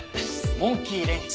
モンキーレンチ。